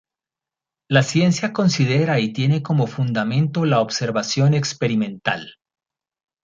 La ciencia considera y tiene como fundamento la observación experimental.